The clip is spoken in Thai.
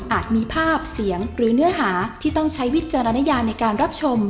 มีภาพเสียงหรือเนื้อหาที่ต้องใช้วิจารณญาในการรับชม